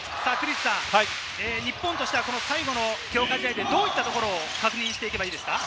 日本としては最後の強化試合でどういったところを確認していけばいいですか？